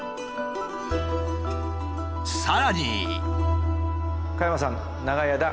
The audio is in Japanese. さらに。